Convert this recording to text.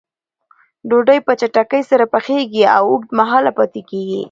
ډوډۍ په چټکۍ سره پخیږي او اوږد مهاله پاتې کېږي.